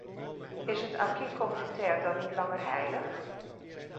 Is het acquis communautaire dan niet langer heilig?